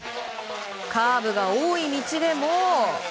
カーブが多い道でも。